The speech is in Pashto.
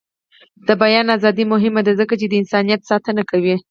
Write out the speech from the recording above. د بیان ازادي مهمه ده ځکه چې د انسانیت ساتنه کوي.